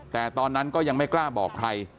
แต่ตอนนั้นก็ยังไม่กล้าบอกใคร